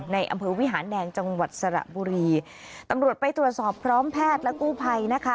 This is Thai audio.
ในอำเภอวิหารแดงจังหวัดสระบุรีตำรวจไปตรวจสอบพร้อมแพทย์และกู้ภัยนะคะ